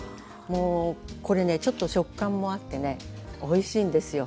もうこれねちょっと食感もあってねおいしいんですよ。